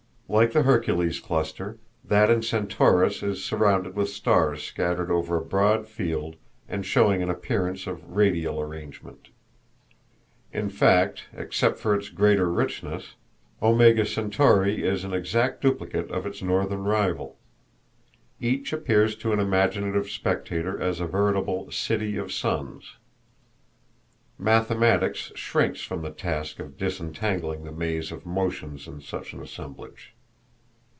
Like the Hercules cluster, that in Centaurus is surrounded with stars scattered over a broad field and showing an appearance of radial arrangement. In fact, except for its greater richness, Omega Centauri is an exact duplicate of its northern rival. Each appears to an imaginative spectator as a veritable "city of suns." Mathematics shrinks from the task of disentangling the maze of motions in such an assemblage.